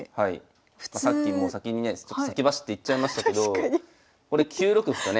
さっきもう先にね先走って言っちゃいましたけどこれ９六歩とね。